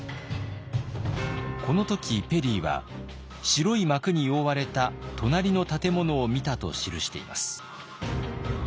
この時ペリーは白い幕に覆われた隣の建物を見たと記しています。